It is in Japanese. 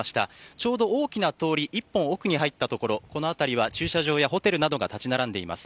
ちょうど大きな通り１本奥に入ったところこの辺りは駐車場やホテルなどが立ち並んでいます。